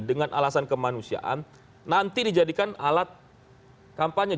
dengan alasan kemanusiaan nanti dijadikan alat kampanye